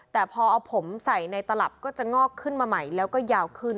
แต่พอเอาผมใส่ในตลับก็จะงอกขึ้นมาใหม่แล้วก็ยาวขึ้น